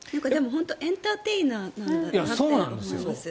エンターテイナーなんだなって思います。